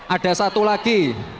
ada satu lagi